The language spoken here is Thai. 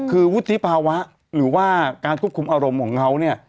คือวุฒิภาวะหรือว่าการควบคุมอารมณ์ของเขาเนี่ย